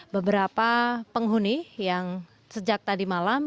beberapa penghuni yang sejak tadi malam